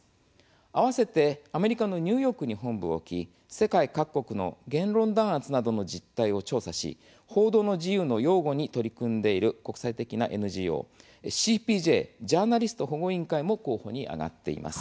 合わせてアメリカのニューヨークに本部を置き世界各国の言論弾圧などの実態を調査し報道の自由の擁護に取り組んでいる、国際的なＮＧＯＣＰＪ＝ジャーナリスト保護委員会も候補に挙がっています。